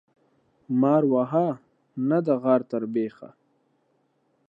مار وهه ، نه د غار تر بيخه.